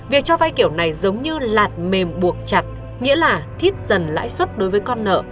việc cho vay kiểu này giống như lạt mềm buộc chặt nghĩa là thiết dần lãi suất đối với con nợ